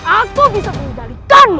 aku bisa mengendalikanmu